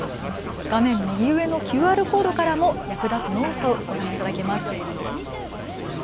画面右上のＱＲコードからも役立つノウハウ、ご覧いただけます。